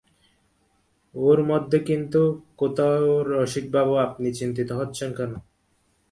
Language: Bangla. ওর মধ্যে কিন্তুটা কোথায় রসিকবাবু, আপনি অত চিন্তিত হচ্ছেন কেন?